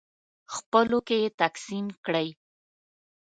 خپلو کې یې تقسیم کړئ.